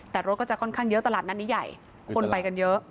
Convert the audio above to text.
แต่รถก็จะค่อนข้างเยอะตลาดนัดนี้ใหญ่คนไปกันเยอะ